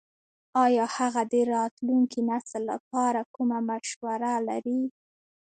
ایا هغه د راتلونکي نسل لپاره کومه مشوره لري ?